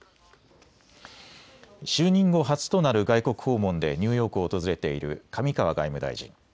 就任後、初となる外国訪問でニューヨークを訪れている上川外務大臣。